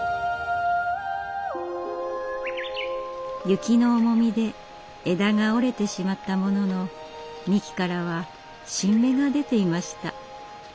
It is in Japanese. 雪の重みで枝が折れてしまったものの幹からは新芽が出ていました。